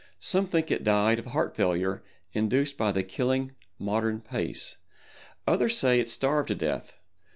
Some think it died of heart failure induced by the killing modern pace. Others say it starved to death.